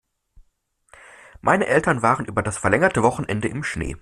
Meine Eltern waren über das verlängerte Wochenende im Schnee.